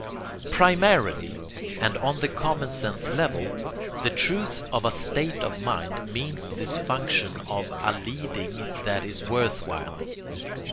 Primarily, and on the common sense level, the truth of a state of mind means this function of A LEADING THAT IS WORTH WHILE.